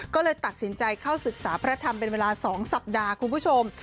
ก็เลยตัดสินใจเข้าศึกษาพระธรรมเป็นเวลา๒สัปดาห์คุณผู้ชม